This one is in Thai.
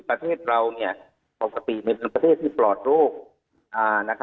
ประเทศที่ปลอดโรค